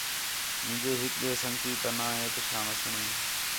مینجے ہک ٻئے سنڳتی تا ناں ہے احتشام حسنی